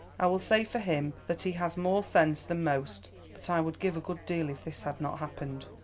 I will say for him that he has more sense than most, but I would give a good deal if this had not happened."